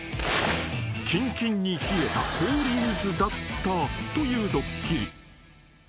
［きんきんに冷えた氷水だったというドッキリ］